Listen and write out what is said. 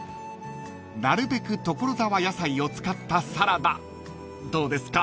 ［なるべく所沢野菜を使ったサラダどうですか？］